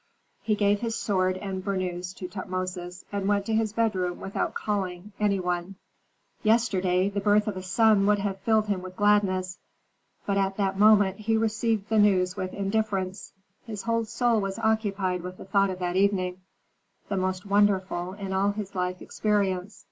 He gave his sword and burnous to Tutmosis, and went to his bedroom without calling any one. Yesterday the birth of a son would have filled him with gladness; but at that moment he received the news with indifference. His whole soul was occupied with the thought of that evening, the most wonderful in all his life experience.